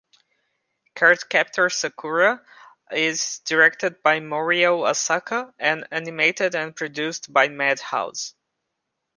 "Cardcaptor Sakura" is directed by Morio Asaka and animated and produced by Madhouse.